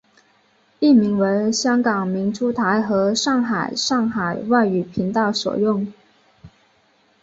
译名为香港明珠台和上海上海外语频道所用。